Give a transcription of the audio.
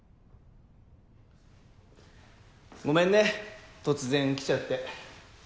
ごめんね突然来ちゃって。